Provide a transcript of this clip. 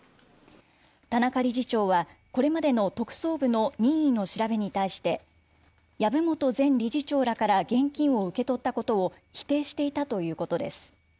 田中理事長は、これまでの特捜部の任意の調べに対して、籔本前理事長らから現金を受け取ったことを否定していたということです。